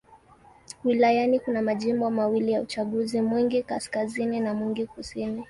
Wilayani kuna majimbo mawili ya uchaguzi: Mwingi Kaskazini na Mwingi Kusini.